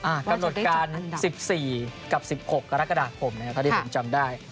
อ่าการรวดการณ์๑๔กับ๑๖กรกฎาคมนะครับถ้าที่ผมจำได้